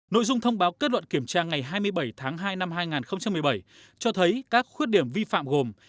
nội dung thông báo kết luận kiểm tra ngày hai mươi bảy tháng hai năm hai nghìn một mươi bảy cho thấy các khuyết điểm vi phạm gồm